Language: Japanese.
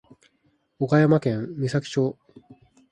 岡山県美咲町